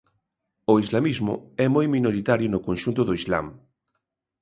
O islamismo é moi minoritario no conxunto do Islam.